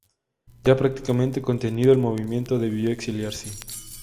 Ya prácticamente contenido el movimiento debió exiliarse.